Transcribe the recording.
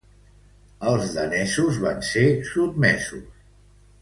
Els danesos van ser sotmesos.